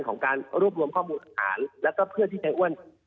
ของการรวบรวมข้อมูลการน์และก็เพื่อที่ช้าอ้วน